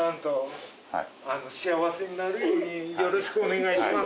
よろしくお願いします。